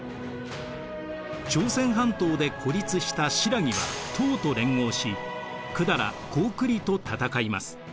朝鮮半島で孤立した新羅は唐と連合し百済高句麗と戦います。